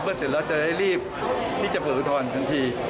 เสร็จแล้วจะได้รีบที่จะเผลออุทธรณ์ทันที